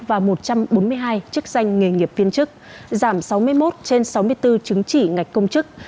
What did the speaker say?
và một trăm bốn mươi hai chức danh nghề nghiệp viên chức giảm sáu mươi một trên sáu mươi bốn chứng chỉ ngạch công chức